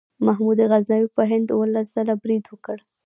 محمود غزنوي په هند اوولس ځله برید وکړ.